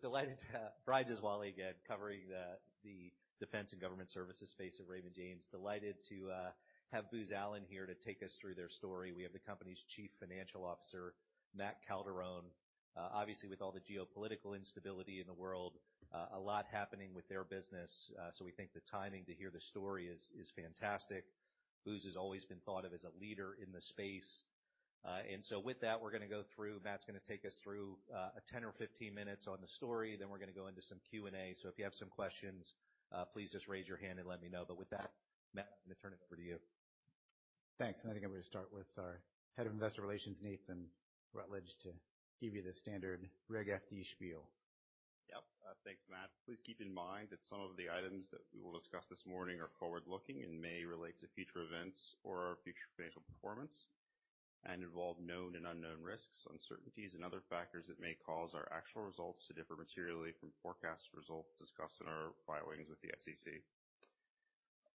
Delighted to have Brian Gesuale again covering the defense and government services space at Raymond James. Delighted to have Booz Allen here to take us through their story. We have the company's Chief Financial Officer, Matt Calderone, obviously with all the geopolitical instability in the world, a lot happening with their business, so we think the timing to hear the story is fantastic. Booz has always been thought of as a leader in the space, and so with that, we're going to go through, Matt's going to take us through a 10 or 15 minutes on the story, then we're going to go into some Q&A, so if you have some questions, please just raise your hand and let me know, but with that, Matt, I'm going to turn it over to you. Thanks. And I think I'm going to start with our Head of Investor Relations, Nathan, who I'll let give you the standard Reg FD spiel. Yep. Thanks, Matt. Please keep in mind that some of the items that we will discuss this morning are forward-looking and may relate to future events or our future financial performance and involve known and unknown risks, uncertainties, and other factors that may cause our actual results to differ materially from forecast results discussed in our filings with the SEC.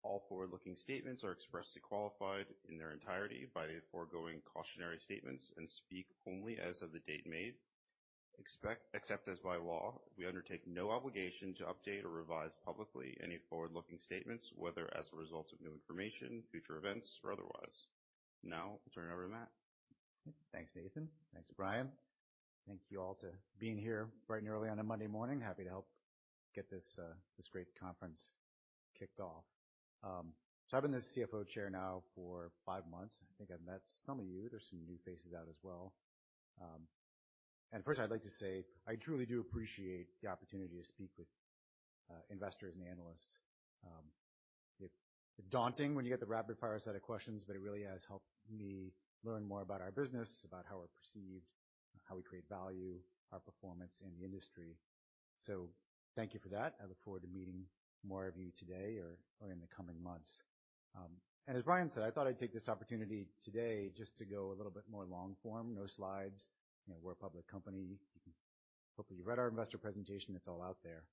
All forward-looking statements are expressly qualified in their entirety by the foregoing cautionary statements and speak only as of the date made, except as by law. We undertake no obligation to update or revise publicly any forward-looking statements, whether as a result of new information, future events, or otherwise. Now, I'll turn it over to Matt. Thanks, Nathan. Thanks, Brian. Thank you all for being here bright and early on a Monday morning. Happy to help get this great conference kicked off, so I've been the CFO here now for five months. I think I've met some of you. There's some new faces out as well, and first, I'd like to say I truly do appreciate the opportunity to speak with investors and analysts. It's daunting when you get the rapid-fire set of questions, but it really has helped me learn more about our business, about how we're perceived, how we create value, our performance in the industry, so thank you for that. I look forward to meeting more of you today or in the coming months, and as Brian said, I thought I'd take this opportunity today just to go a little bit more long-form, no slides. We're a public company. Hopefully, you've read our investor presentation. It's all out there.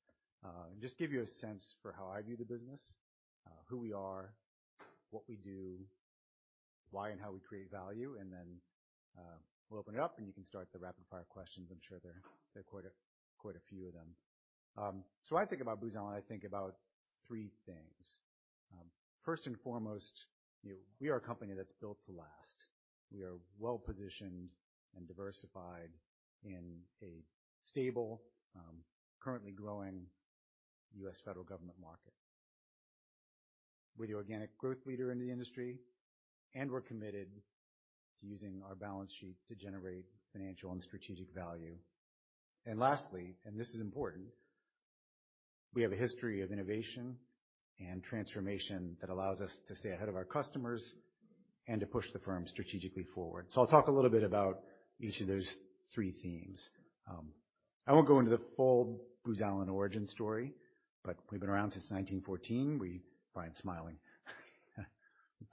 Just give you a sense for how I view the business, who we are, what we do, why and how we create value. And then we'll open it up, and you can start the rapid-fire questions. I'm sure there are quite a few of them. So when I think about Booz Allen, I think about three things. First and foremost, we are a company that's built to last. We are well-positioned and diversified in a stable, currently growing U.S. federal government market. We're the organic growth leader in the industry, and we're committed to using our balance sheet to generate financial and strategic value. And lastly, and this is important, we have a history of innovation and transformation that allows us to stay ahead of our customers and to push the firm strategically forward. So I'll talk a little bit about each of those three themes. I won't go into the full Booz Allen origin story, but we've been around since 1914. We (Brian's smiling)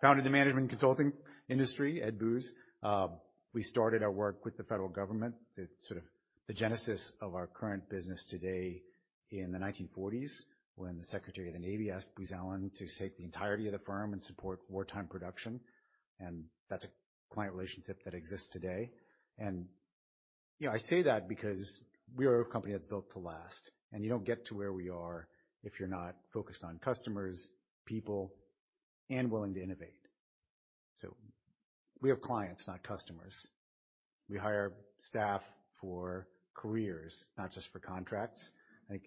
founded the management consulting industry at Booz. We started our work with the federal government. The sort of genesis of our current business today in the 1940s when the Secretary of the Navy asked Booz Allen to take the entirety of the firm and support wartime production. And that's a client relationship that exists today. And I say that because we are a company that's built to last. And you don't get to where we are if you're not focused on customers, people, and willing to innovate. So we have clients, not customers. We hire staff for careers, not just for contracts. I think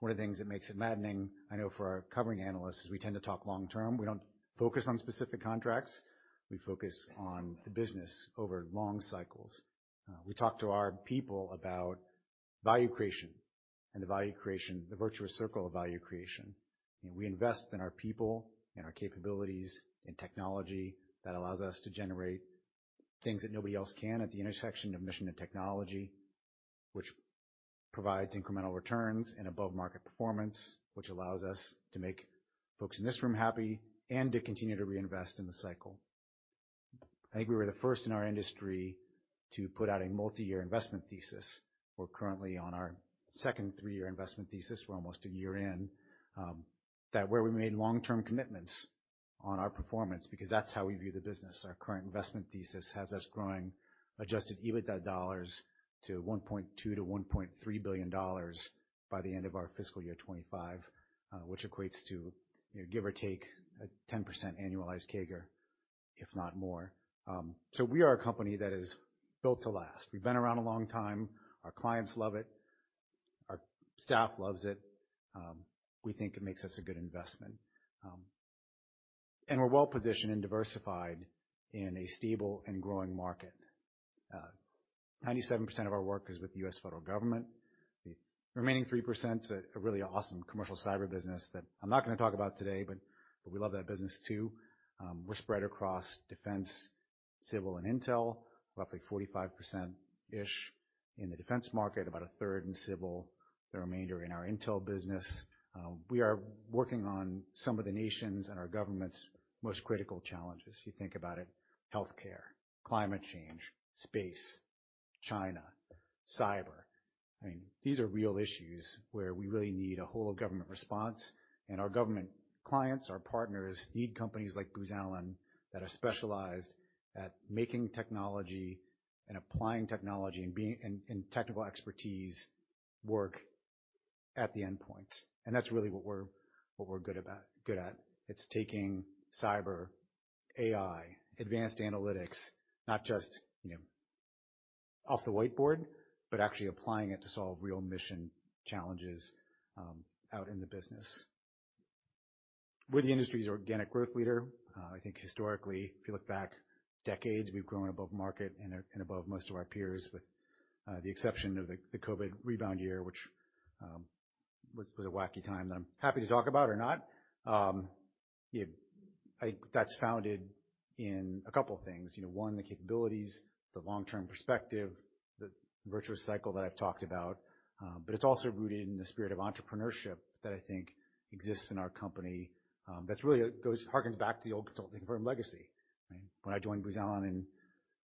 one of the things that makes it maddening, I know for our covering analysts, is we tend to talk long-term. We don't focus on specific contracts. We focus on the business over long cycles. We talk to our people about value creation and the virtuous circle of value creation. We invest in our people, in our capabilities, in technology that allows us to generate things that nobody else can at the intersection of mission and technology, which provides incremental returns and above-market performance, which allows us to make folks in this room happy and to continue to reinvest in the cycle. I think we were the first in our industry to put out a multi-year investment thesis. We're currently on our second three-year investment thesis. We're almost a year in, where we made long-term commitments on our performance because that's how we view the business. Our current investment thesis has us growing Adjusted EBITDA dollars to $1.2 billion-$1.3 billion by the end of our fiscal year 2025, which equates to, give or take, a 10% annualized CAGR, if not more, so we are a company that is built to last. We've been around a long time. Our clients love it. Our staff loves it. We think it makes us a good investment, and we're well-positioned and diversified in a stable and growing market. 97% of our work is with the U.S. federal government. The remaining 3% is a really awesome commercial cyber business that I'm not going to talk about today, but we love that business too. We're spread across Defense, Civil, and Intel, roughly 45%-ish in the defense market, about a third in Civil, the remainder in our Intel business. We are working on some of the nation's and our government's most critical challenges. You think about it: healthcare, climate change, space, China, cyber. I mean, these are real issues where we really need a whole-of-government response, and our government clients, our partners, need companies like Booz Allen that are specialized at making technology and applying technology and technical expertise work at the endpoints. And that's really what we're good at. It's taking cyber, AI, advanced analytics, not just off the whiteboard, but actually applying it to solve real mission challenges out in the business. We're the industry's organic growth leader. I think historically, if you look back decades, we've grown above market and above most of our peers, with the exception of the COVID rebound year, which was a wacky time that I'm happy to talk about or not. I think that's founded in a couple of things. One, the capabilities, the long-term perspective, the virtuous cycle that I've talked about. But it's also rooted in the spirit of entrepreneurship that I think exists in our company that really harkens back to the old consulting firm legacy. When I joined Booz Allen in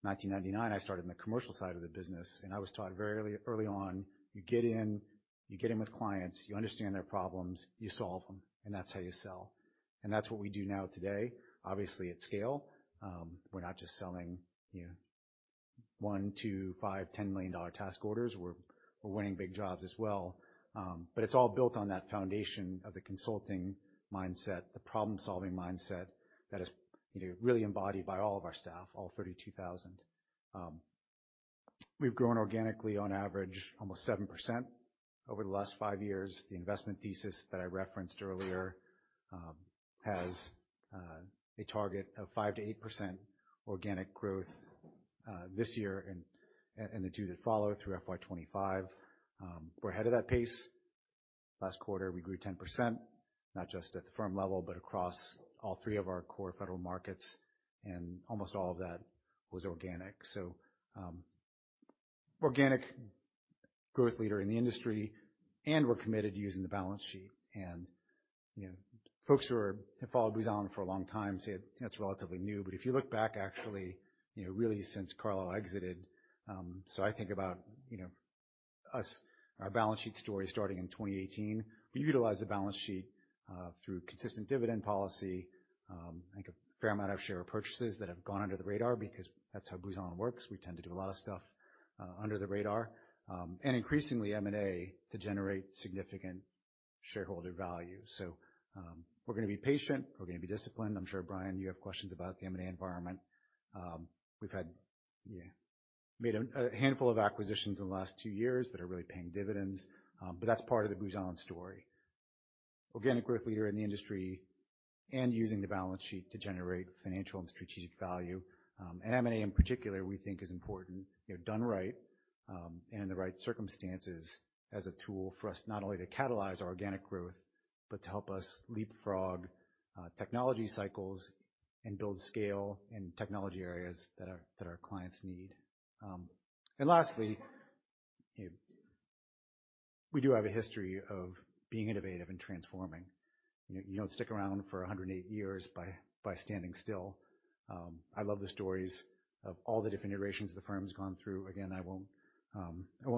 1999, I started in the commercial side of the business. And I was taught very early on, you get in, you get in with clients, you understand their problems, you solve them, and that's how you sell. And that's what we do now today, obviously at scale. We're not just selling $1 million, $2 million, $5 million, $10 million task orders. We're winning big jobs as well. But it's all built on that foundation of the consulting mindset, the problem-solving mindset that is really embodied by all of our staff, all 32,000. We've grown organically on average almost 7% over the last five years. The investment thesis that I referenced earlier has a target of 5%-8% organic growth this year and the two that follow through FY25. We're ahead of that pace. Last quarter, we grew 10%, not just at the firm level, but across all three of our core federal markets. And almost all of that was organic. So organic growth leader in the industry, and we're committed to using the balance sheet. And folks who have followed Booz Allen for a long time say that's relatively new. But if you look back, actually, really since Carlyle exited, so I think about our balance sheet story starting in 2018. We utilize the balance sheet through consistent dividend policy. I think a fair amount of share purchases that have gone under the radar because that's how Booz Allen works. We tend to do a lot of stuff under the radar and increasingly M&A to generate significant shareholder value. So we're going to be patient. We're going to be disciplined. I'm sure, Brian, you have questions about the M&A environment. We've made a handful of acquisitions in the last two years that are really paying dividends. But that's part of the Booz Allen story. Organic growth leader in the industry and using the balance sheet to generate financial and strategic value. And M&A in particular, we think, is important, done right and in the right circumstances as a tool for us not only to catalyze our organic growth, but to help us leapfrog technology cycles and build scale in technology areas that our clients need. And lastly, we do have a history of being innovative and transforming. You don't stick around for 108 years by standing still. I love the stories of all the different iterations the firm's gone through. Again, I won't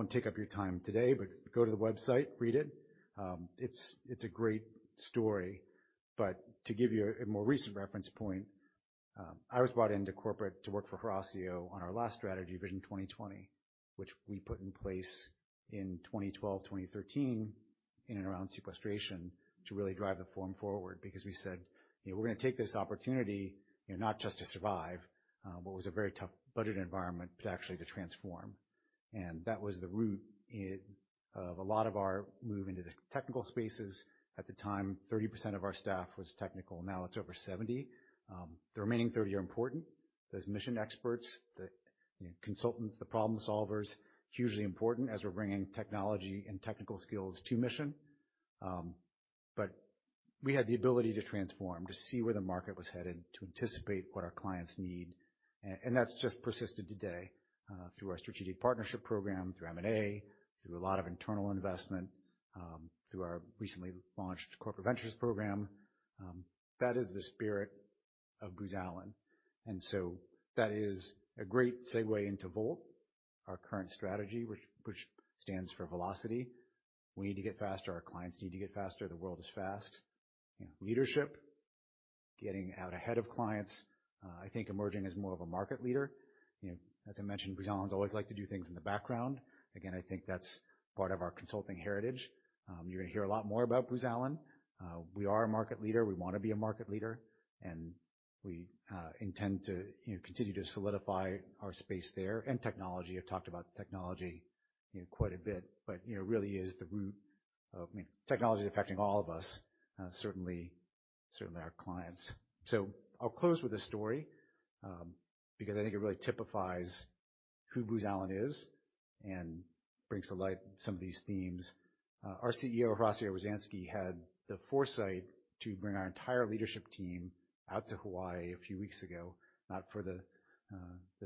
take up your time today, but go to the website, read it. It's a great story. But to give you a more recent reference point, I was brought into corporate to work for Horacio on our last strategy, Vision 2020, which we put in place in 2012, 2013, in and around sequestration to really drive the firm forward because we said, "We're going to take this opportunity, not just to survive," what was a very tough budget environment, but actually to transform, and that was the root of a lot of our move into the technical spaces. At the time, 30% of our staff was technical. Now it's over 70%. The remaining 30% are important. Those mission experts, the consultants, the problem solvers, hugely important as we're bringing technology and technical skills to mission. But we had the ability to transform, to see where the market was headed, to anticipate what our clients need. And that's just persisted today through our strategic partnership program, through M&A, through a lot of internal investment, through our recently launched corporate ventures program. That is the spirit of Booz Allen. And so that is a great segue into VoLT, our current strategy, which stands for velocity. We need to get faster. Our clients need to get faster. The world is fast. Leadership, getting out ahead of clients. I think emerging as more of a market leader. As I mentioned, Booz Allen's always liked to do things in the background. Again, I think that's part of our consulting heritage. You're going to hear a lot more about Booz Allen. We are a market leader. We want to be a market leader. And we intend to continue to solidify our space there. And technology. I've talked about technology quite a bit, but it really is the root of technology is affecting all of us, certainly our clients. So I'll close with a story because I think it really typifies who Booz Allen is and brings to light some of these themes. Our CEO, Horacio Rozanski, had the foresight to bring our entire leadership team out to Hawaii a few weeks ago, not for the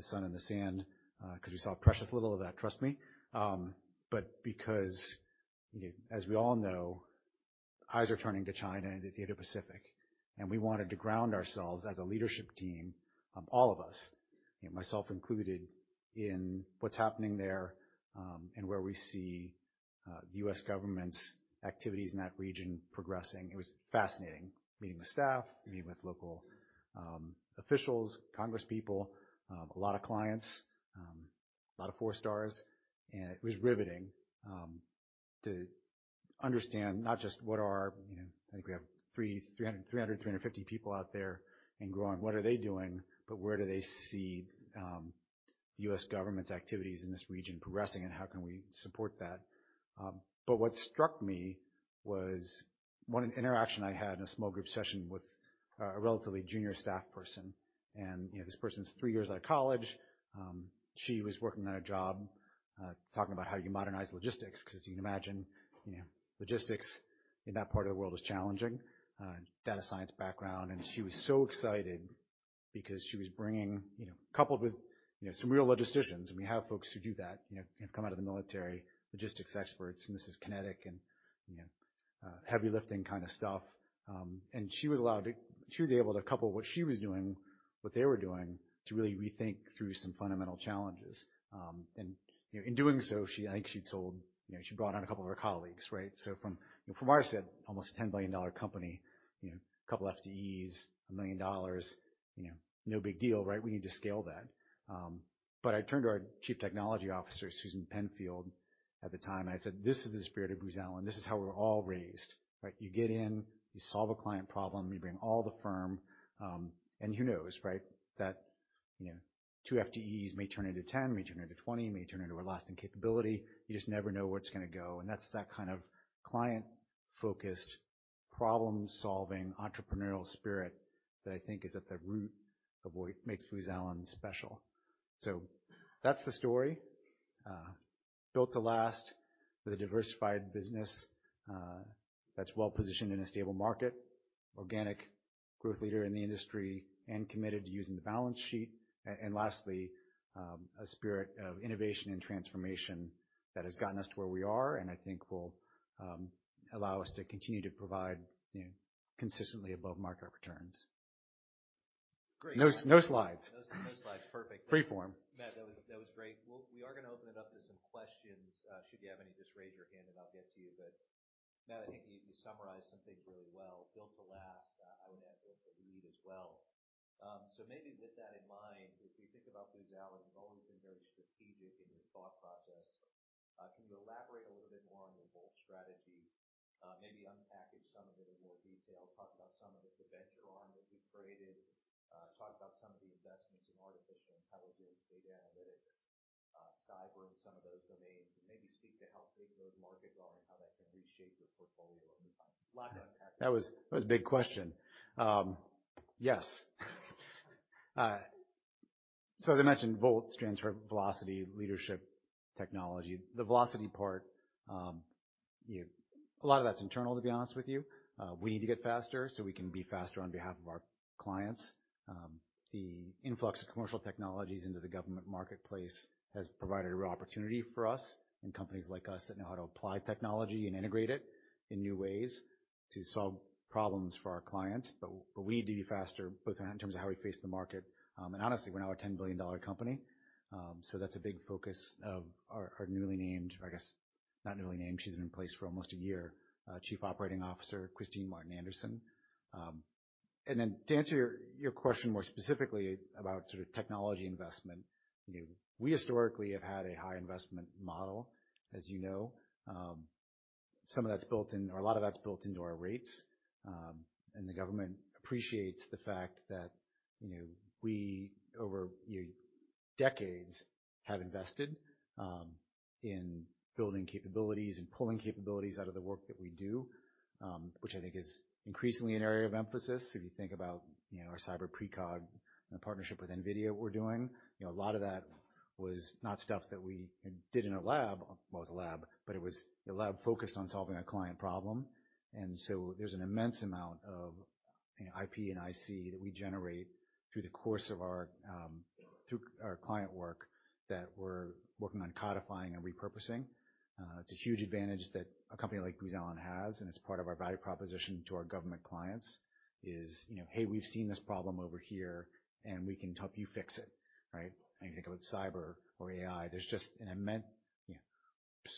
sun and the sand because we saw precious little of that, trust me, but because, as we all know, eyes are turning to China and the Indo-Pacific. And we wanted to ground ourselves as a leadership team, all of us, myself included, in what's happening there and where we see the U.S. government's activities in that region progressing. It was fascinating meeting the staff, meeting with local officials, congresspeople, a lot of clients, a lot of four stars. It was riveting to understand not just what our, I think we have 300, 350 people out there and growing. What are they doing? Where do they see the U.S. government's activities in this region progressing? How can we support that? What struck me was one interaction I had in a small group session with a relatively junior staff person. This person's three years out of college. She was working on a job talking about how you modernize logistics because you can imagine logistics in that part of the world is challenging, data science background. She was so excited because she was bringing, coupled with some real logisticians. We have folks who do that, come out of the military, logistics experts. And this is kinetic and heavy lifting kind of stuff. And she was able to couple what she was doing, what they were doing, to really rethink through some fundamental challenges. And in doing so, I think she told, she brought on a couple of her colleagues, right? So from our set almost a $10 billion company, a couple of FTEs, a million dollars, no big deal, right? We need to scale that. But I turned to our Chief Technology Officer, Susan Penfield, at the time. And I said, "This is the spirit of Booz Allen. This is how we're all raised, right? You get in, you solve a client problem, you bring all the firm." And who knows, right? That two FTEs may turn into 10, may turn into 20, may turn into a lasting capability. You just never know where it's going to go. And that's that kind of client-focused, problem-solving, entrepreneurial spirit that I think is at the root of what makes Booz Allen special. So that's the story. Built to last with a diversified business that's well-positioned in a stable market, organic growth leader in the industry, and committed to using the balance sheet. And lastly, a spirit of innovation and transformation that has gotten us to where we are and I think will allow us to continue to provide consistently above market returns. No slides. No slides. Perfect. Free form. Matt, that was great. We are going to open it up to some questions. Should you have any, just raise your hand and I'll get to you. But Matt, I think you summarized some things really well. Built to last. I would add built to lead as well. So maybe with that in mind, if we think about Booz Allen, you've always been very strategic in your thought process. Can you elaborate a little bit more on your VoLT strategy? Maybe unpack some of it in more detail, talk about some of the venture arm that you've created, talk about some of the investments in artificial intelligence, data analytics, cyber, and some of those domains, and maybe speak to how big those markets are and how that can reshape your portfolio over time. That was a big question. Yes. So as I mentioned, VoLT stands for velocity, leadership, technology. The velocity part, a lot of that's internal, to be honest with you. We need to get faster so we can be faster on behalf of our clients. The influx of commercial technologies into the government marketplace has provided a real opportunity for us and companies like us that know how to apply technology and integrate it in new ways to solve problems for our clients. But we need to be faster both in terms of how we face the market, and honestly, we're now a $10 billion company, so that's a big focus of our newly named, I guess, not newly named. She's been in place for almost a year, Chief Operating Officer, Kristine Martin Anderson. And then to answer your question more specifically about sort of technology investment, we historically have had a high investment model, as you know. Some of that's built in, or a lot of that's built into our rates. And the government appreciates the fact that we, over decades, have invested in building capabilities and pulling capabilities out of the work that we do, which I think is increasingly an area of emphasis. If you think about our Cyber Precog and the partnership with NVIDIA we're doing, a lot of that was not stuff that we did in a lab. Well, it was a lab, but it was a lab focused on solving a client problem. And so there's an immense amount of IP and IC that we generate through the course of our client work that we're working on codifying and repurposing. It's a huge advantage that a company like Booz Allen has, and it's part of our value proposition to our government clients is, "Hey, we've seen this problem over here, and we can help you fix it," right? And you think about cyber or AI. There's just an immense,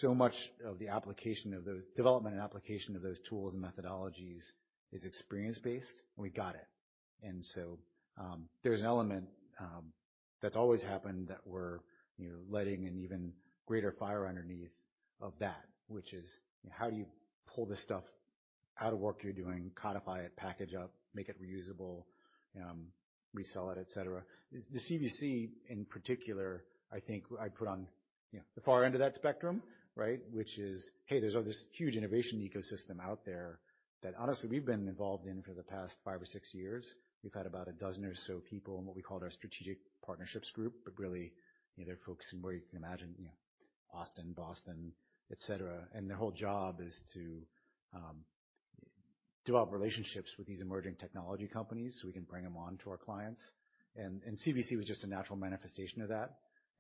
so much of the application of those development and application of those tools and methodologies is experience-based. We got it. And so there's an element that's always happened that we're letting an even greater fire underneath of that, which is how do you pull this stuff out of work you're doing, codify it, package up, make it reusable, resell it, etc.? The CVC, in particular, I think I put on the far end of that spectrum, right, which is, "Hey, there's this huge innovation ecosystem out there that honestly we've been involved in for the past five or six years." We've had about a dozen or so people in what we call our strategic partnerships group, but really they're folks from where you can imagine Austin, Boston, etc. Their whole job is to develop relationships with these emerging technology companies so we can bring them on to our clients. CVC was just a natural manifestation of that.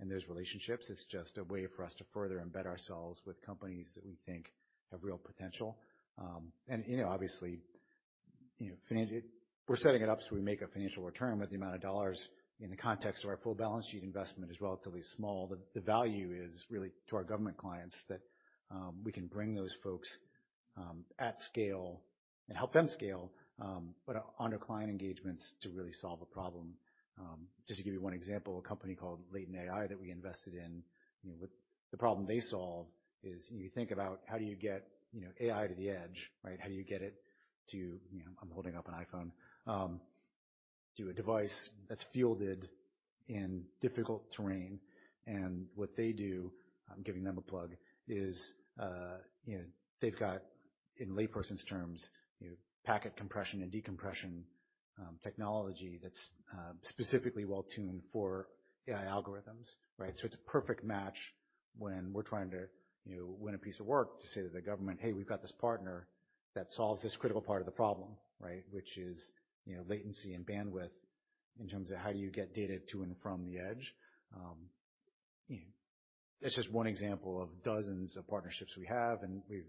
Those relationships is just a way for us to further embed ourselves with companies that we think have real potential. Obviously, we're setting it up so we make a financial return with the amount of dollars in the context of our full balance sheet investment is relatively small. The value is really to our government clients that we can bring those folks at scale and help them scale, but on our client engagements to really solve a problem. Just to give you one example, a company called Latent AI that we invested in, the problem they solve is you think about how do you get AI to the edge, right? How do you get it to, I'm holding up an iPhone, to a device that's fielded in difficult terrain. And what they do, I'm giving them a plug, is they've got, in layperson's terms, packet compression and decompression technology that's specifically well-tuned for AI algorithms, right? So it's a perfect match when we're trying to win a piece of work to say to the government, "Hey, we've got this partner that solves this critical part of the problem," right, which is latency and bandwidth in terms of how do you get data to and from the edge. That's just one example of dozens of partnerships we have. And we've,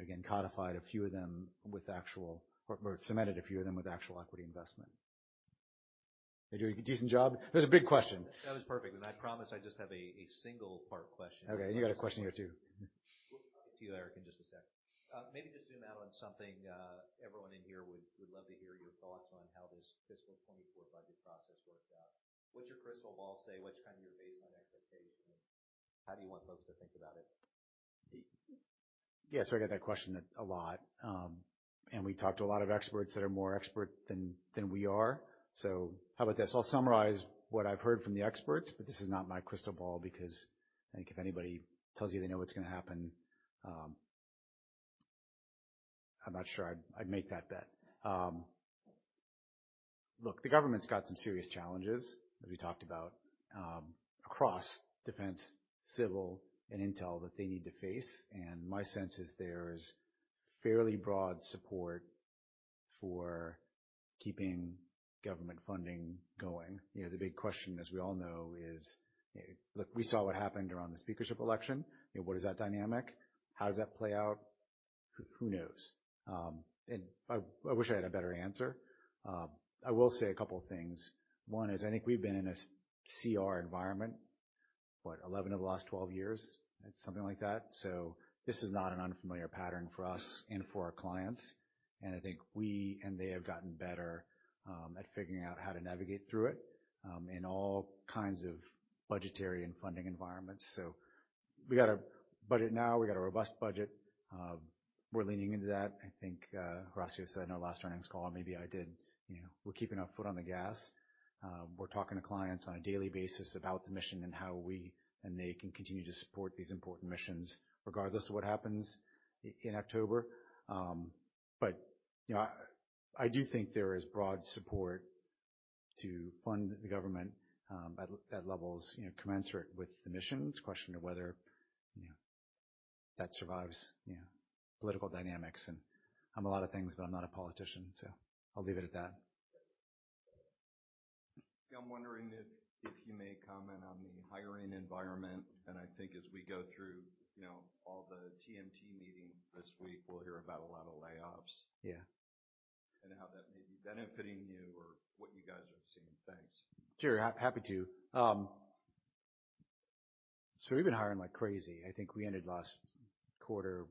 again, codified a few of them with actual or cemented a few of them with actual equity investment. They do a decent job. That was a big question. That was perfect. And I promise I just have a single-part question. Okay. And you got a question here too. I'll get to you, Eric, in just a sec. Maybe just zoom out on something everyone in here would love to hear your thoughts on how this fiscal 2024 budget process worked out. What's your crystal ball say? What's kind of your baseline expectation? How do you want folks to think about it? Yeah. So I get that question a lot. And we talk to a lot of experts that are more expert than we are. So how about this? I'll summarize what I've heard from the experts, but this is not my crystal ball because I think if anybody tells you they know what's going to happen, I'm not sure I'd make that bet. Look, the government's got some serious challenges, as we talked about, across Defense, Civil, and Intel that they need to face. My sense is there is fairly broad support for keeping government funding going. The big question, as we all know, is, "Look, we saw what happened around the speakership election. What is that dynamic? How does that play out? Who knows?" I wish I had a better answer. I will say a couple of things. One is I think we've been in a CR environment, what, 11 of the last 12 years? It's something like that. So this is not an unfamiliar pattern for us and for our clients. I think we and they have gotten better at figuring out how to navigate through it in all kinds of budgetary and funding environments. We got a budget now. We got a robust budget. We're leaning into that. I think Horacio said in our last earnings call, maybe I did. We're keeping our foot on the gas. We're talking to clients on a daily basis about the mission and how we and they can continue to support these important missions regardless of what happens in October. But I do think there is broad support to fund the government at levels commensurate with the mission. It's a question of whether that survives political dynamics, and I'm a lot of things, but I'm not a politician, so I'll leave it at that. Yeah. I'm wondering if you may comment on the hiring environment, and I think as we go through all the TMT meetings this week, we'll hear about a lot of layoffs and how that may be benefiting you or what you guys are seeing. Thanks. Sure. Happy to, so we've been hiring like crazy. I think we ended last quarter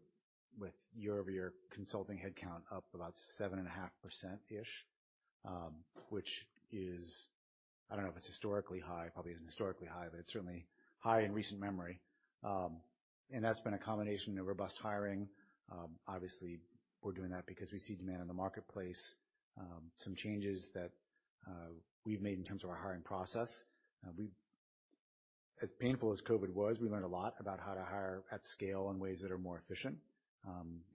with year-over-year consulting headcount up about 7.5%-ish, which is, I don't know if it's historically high. It probably isn't historically high, but it's certainly high in recent memory, and that's been a combination of robust hiring. Obviously, we're doing that because we see demand in the marketplace, some changes that we've made in terms of our hiring process. As painful as COVID was, we learned a lot about how to hire at scale in ways that are more efficient,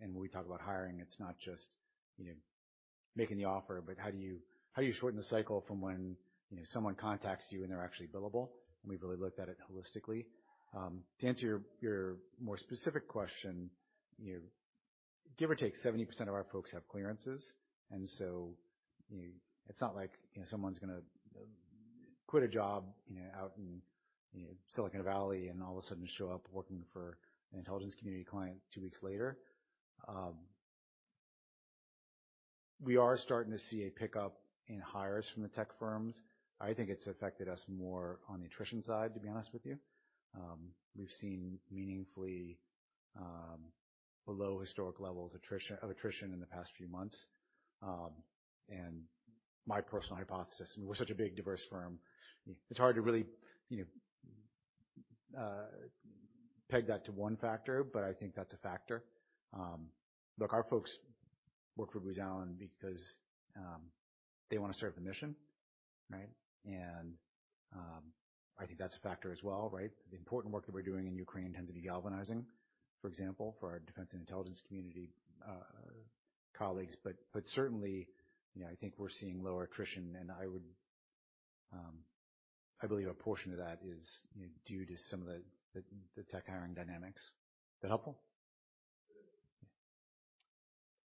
and when we talk about hiring, it's not just making the offer, but how do you shorten the cycle from when someone contacts you and they're actually billable, and we've really looked at it holistically. To answer your more specific question, give or take 70% of our folks have clearances, and so it's not like someone's going to quit a job out in Silicon Valley and all of a sudden show up working for an intelligence community client two weeks later. We are starting to see a pickup in hires from the tech firms. I think it's affected us more on the attrition side, to be honest with you. We've seen meaningfully below historic levels of attrition in the past few months, and my personal hypothesis, I mean, we're such a big, diverse firm. It's hard to really peg that to one factor, but I think that's a factor. Look, our folks work for Booz Allen because they want to serve the mission, right, and I think that's a factor as well, right? The important work that we're doing in Ukraine tends to be galvanizing, for example, for our defense and intelligence community colleagues. But certainly, I think we're seeing lower attrition, and I believe a portion of that is due to some of the tech hiring dynamics. Is that helpful?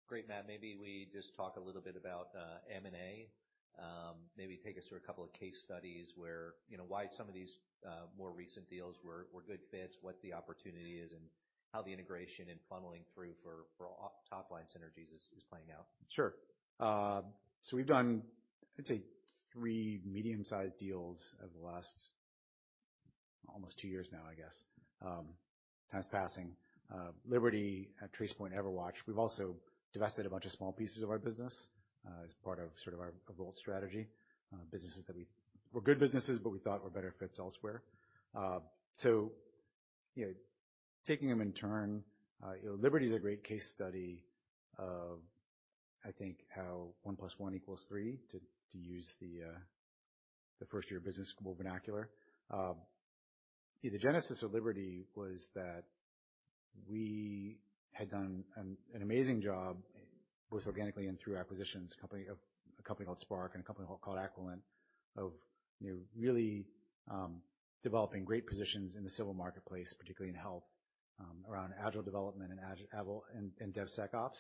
Great, Matt. Maybe we just talk a little bit about M&A. Maybe take us through a couple of case studies where why some of these more recent deals were good fits, what the opportunity is, and how the integration and funneling through for top-line synergies is playing out. Sure. So we've done, I'd say, three medium-sized deals over the last almost two years now, I guess. Time's passing. Liberty, Tracepoint, EverWatch. We've also divested a bunch of small pieces of our business as part of sort of our Volt strategy. Businesses that were good businesses, but we thought were better fits elsewhere. So taking them in turn, Liberty is a great case study of, I think, how one plus one equals three to use the first-year business school vernacular. The genesis of Liberty was that we had done an amazing job both organically and through acquisitions, a company called SPARC and a company called Aquilent, of really developing great positions in the Civil marketplace, particularly in health, around Agile development and DevSecOps.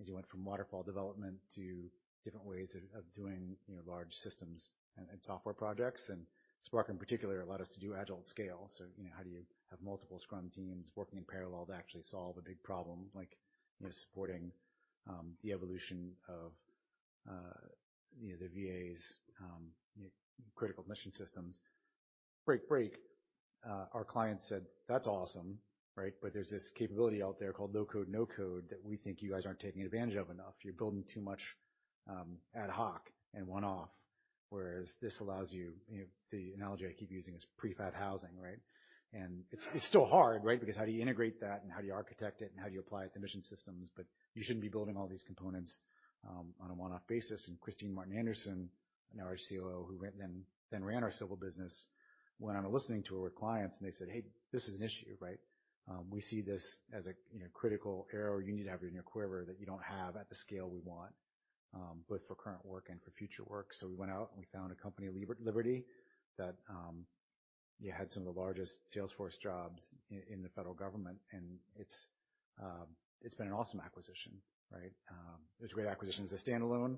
As you went from Waterfall development to different ways of doing large systems and software projects. SPARC, in particular, allowed us to do Agile at scale. So how do you have multiple Scrum teams working in parallel to actually solve a big problem like supporting the evolution of the VA's critical mission systems? Our client said, "That's awesome," right? But there's this capability out there called low-code, no-code that we think you guys aren't taking advantage of enough. You're building too much ad hoc and one-off, whereas this allows you the analogy I keep using is pre-fab housing, right? It's still hard, right? Because how do you integrate that, and how do you architect it, and how do you apply it to mission systems? But you shouldn't be building all these components on a one-off basis. And Kristine Martin Anderson, our COO, who then ran our Civil business, went on a listening tour with clients, and they said, "Hey, this is an issue," right? We see this as a critical arrow you need to have in your quiver that you don't have at the scale we want, both for current work and for future work. So we went out and we found a company, Liberty, that had some of the largest Salesforce jobs in the federal government. And it's been an awesome acquisition, right? It was a great acquisition as a standalone.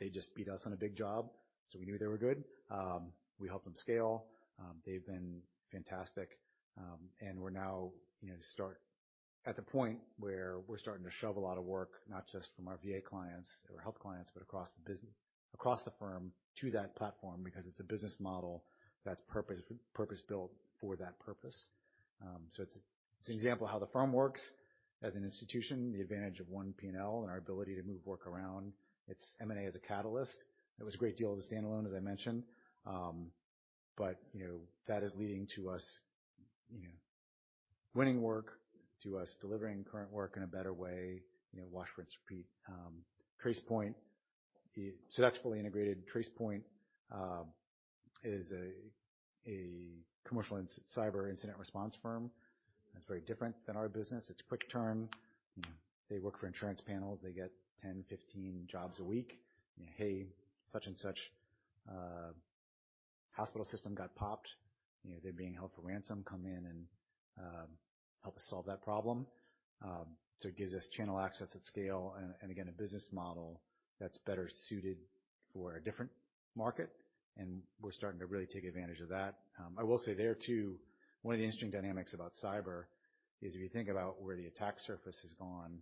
They just beat us on a big job. So we knew they were good. We helped them scale. They've been fantastic. We're now at the point where we're starting to shove a lot of work, not just from our VA clients or health clients, but across the firm to that platform because it's a business model that's purpose-built for that purpose. So it's an example of how the firm works as an institution, the advantage of one P&L and our ability to move work around. It's M&A as a catalyst. It was a great deal as a standalone, as I mentioned. But that is leading to us winning work, to us delivering current work in a better way. It's finding its feet. Tracepoint. So that's fully integrated. Tracepoint is a commercial cyber incident response firm. It's very different than our business. It's quick turn. They work for insurance panels. They get 10, 15 jobs a week. "Hey, such and such hospital system got popped. They're being held for ransom. Come in and help us solve that problem." So it gives us channel access at scale and, again, a business model that's better suited for a different market. And we're starting to really take advantage of that. I will say there too, one of the interesting dynamics about cyber is if you think about where the attack surface has gone,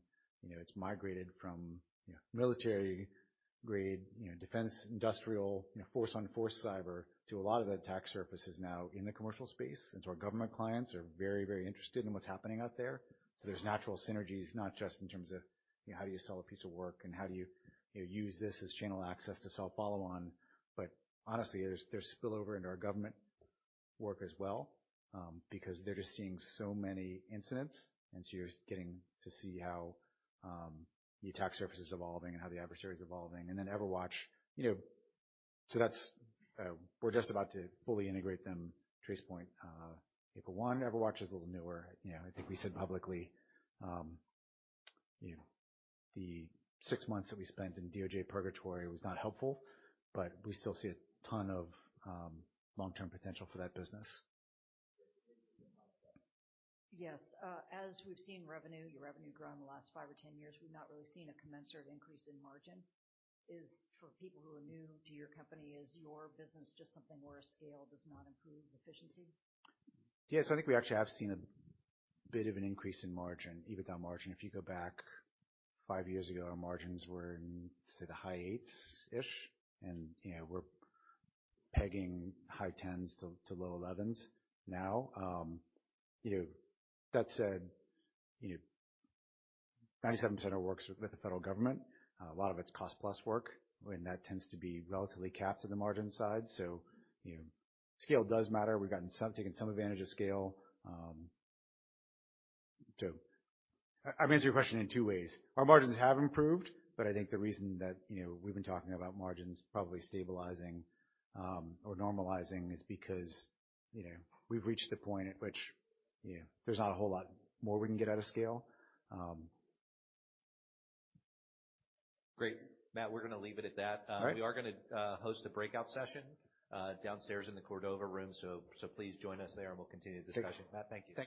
it's migrated from military-grade defense industrial force-on-force cyber to a lot of the attack surfaces now in the commercial space. And so our government clients are very, very interested in what's happening out there. So there's natural synergies, not just in terms of how do you sell a piece of work and how do you use this as channel access to sell follow-on. But honestly, there's spillover into our government work as well because they're just seeing so many incidents. So you're getting to see how the attack surface is evolving and how the adversary is evolving. And then EverWatch. So we're just about to fully integrate them. Tracepoint, April 1. EverWatch is a little newer. I think we said publicly the six months that we spent in DOJ Purgatory was not helpful, but we still see a ton of long-term potential for that business. Yes. As we've seen revenue, your revenue grow in the last five or 10 years, we've not really seen a commensurate increase in margin. Is, for people who are new to your company, is your business just something where scale does not improve efficiency? Yeah. So I think we actually have seen a bit of an increase in margin, EBITDA margin. If you go back five years ago, our margins were in, say, the high eights-ish. We're pegging high 10s to low 11s now. That said, 97% of our work's with the federal government. A lot of it's cost-plus work, and that tends to be relatively capped to the margin side. Scale does matter. We've taken some advantage of scale. I'm answering your question in two ways. Our margins have improved, but I think the reason that we've been talking about margins probably stabilizing or normalizing is because we've reached the point at which there's not a whole lot more we can get out of scale. Great. Matt, we're going to leave it at that. We are going to host a breakout session downstairs in the Cordova Room. Please join us there, and we'll continue the discussion. Matt, thank you.